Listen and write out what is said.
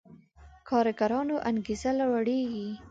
کارګرانو انګېزه لوړېږي.